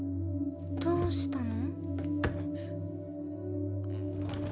どうしたの？